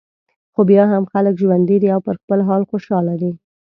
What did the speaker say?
خو بیا هم خلک ژوندي دي او پر خپل حال خوشاله دي.